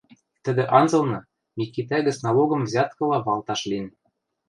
тӹдӹ анзылны Микитӓ гӹц налогым взяткыла валташ лин.